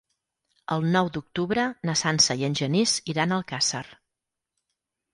El nou d'octubre na Sança i en Genís iran a Alcàsser.